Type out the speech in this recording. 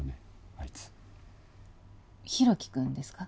あいつ大樹君ですか？